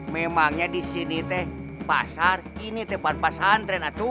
memangnya di sini pasar ini tempat pas santri